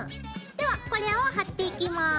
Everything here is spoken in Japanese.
ではこれを貼っていきます。